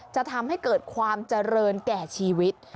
จะทำให้เกิดความเจริญแก่ชีวิต